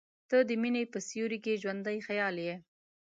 • ته د مینې په سیوري کې ژوندی خیال یې.